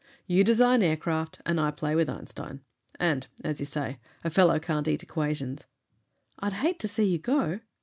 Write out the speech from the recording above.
"You design aircraft, and I play with Einstein. And as you say, a fellow can't eat equations." "I'd hate to see you go."